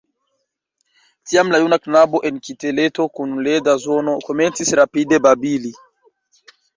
Tiam la juna knabo en kiteleto kun leda zono komencis rapide babili.